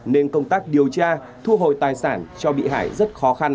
nên công tác điều tra thu hồi tài sản cho bị hại rất khó khăn